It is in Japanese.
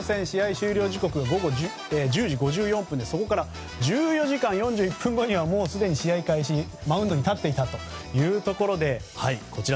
終了時刻午後１０時５４分でそこから１４時間４１分後にはもう、すでに試合開始マウンドに立っていたというところで。